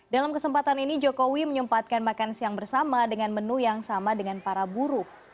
dalam kesempatan ini jokowi menyempatkan makan siang bersama dengan menu yang sama dengan para buruh